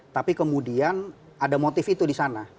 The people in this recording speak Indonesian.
tapi kemudian ada motif itu di sana